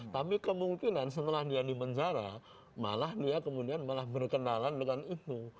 tapi kemungkinan setelah dia di penjara malah dia kemudian malah berkenalan dengan itu